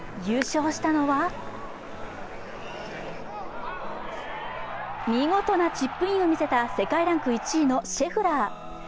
優勝したのは見事なチップインを見せた世界ランク１位のシェフラー。